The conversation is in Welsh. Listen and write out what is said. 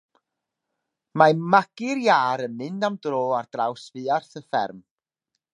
Mae Magi'r iâr yn mynd am dro ar draws fuarth y fferm.